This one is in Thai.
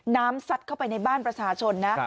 ซัดเข้าไปในบ้านประชาชนนะ